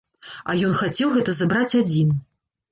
А ён хацеў гэта забраць адзін.